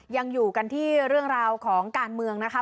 ยังอยู่กันที่เรื่องราวของการเมืองนะคะ